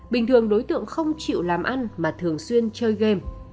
bình thường đối tượng không chịu làm ăn mà thường xuyên chơi game